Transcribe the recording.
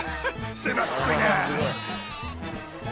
すばしっこいな。